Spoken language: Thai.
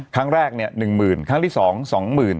ครั้งแรก๑หมื่นครั้งที่๒๒หมื่น